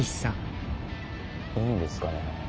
いいんですかね？